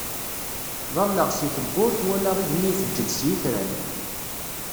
Ḍalleɣ si tewwurt walaɣ igenni ifeǧǧeǧ s yitran.